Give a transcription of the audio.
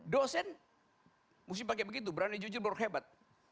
dosen mesti pakai begitu berani jujur baru hebat